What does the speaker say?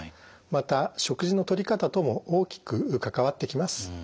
また食事のとり方とも大きく関わってきます。